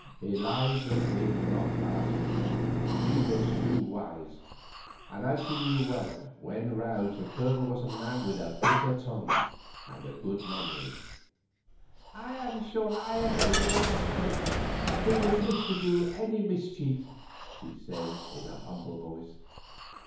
Eliza did not ask him. She was too wise. As she knew well, when roused the Colonel was a man with a bitter tongue and a good memory. "I am sure I am the last person who would wish to do mischief," she said in a humble voice.